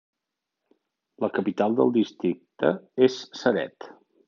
La capital del districte és Ceret.